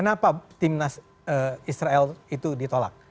karena timnas israel itu ditolak